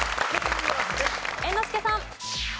猿之助さん。